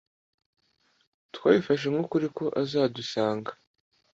Twabifashe nk'ukuri ko azadusanga.